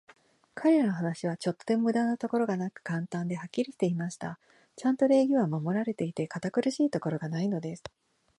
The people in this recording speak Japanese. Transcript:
彼等の話は、ちょっとも無駄なところがなく、簡単で、はっきりしていました。ちゃんと礼儀は守られていて、堅苦しいところがないのです。